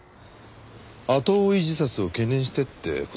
後追い自殺を懸念してって事ですかね？